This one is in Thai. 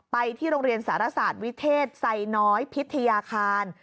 ไปที่โรงเรียนสารศาสตร์วิเทศไซน้อยพิทยาคาร